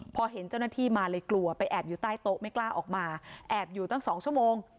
พอเห็นเจ้าหน้าที่มาเลยกลัวไปแอบอยู่ใต้โต๊ะไม่กล้าออกมาแอบอยู่ตั้ง๒ชั่วโมง